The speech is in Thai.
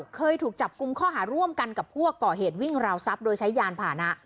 เคยถูกจับกุมข้อหาร่วมกันกับพวกก่อเหตุวิ่งราวทรัพย์โดยใช้ยานผ่านะ